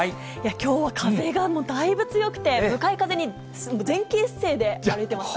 きょうは風がだいぶ強くて、向かい風に前傾姿勢で歩いてましたね。